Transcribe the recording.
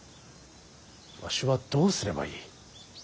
わしはどうすればいい。